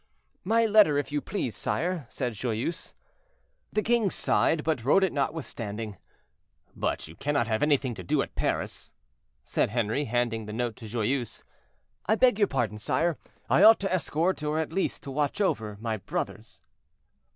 "My letter, if you please, sire," said Joyeuse. The king sighed, but wrote it notwithstanding. "But you cannot have anything to do at Paris?" said Henri, handing the note to Joyeuse. "I beg your pardon, sire, I ought to escort, or at least, to watch over, my brothers."